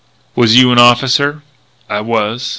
"Was you an officer?" "I was."